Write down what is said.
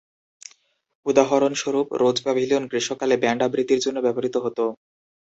উদাহরণস্বরূপ, rose pavilion গ্রীষ্মকালে band আবৃত্তির জন্য ব্যবহৃত হত।